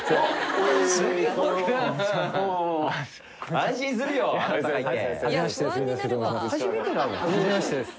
安心するよ